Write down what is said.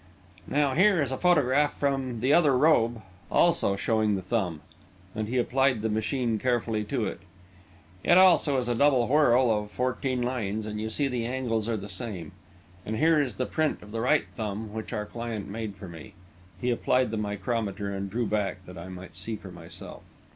"Now here is a photograph from the other robe, also showing the thumb," and he applied the machine carefully to it. "It also is a double whorl of fourteen lines, and you see the angles are the same. And here is the print of the right thumb which your client made for me." He applied the micrometer and drew back that I might see for myself.